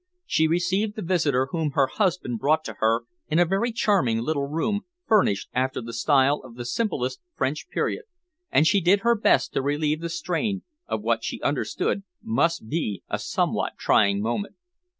She received the visitor whom her husband brought to her in a very charming little room furnished after the style of the simplest French period, and she did her best to relieve the strain of what she understood must be a somewhat trying moment.